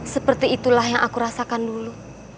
seperti itulah yang aku rasakan dulu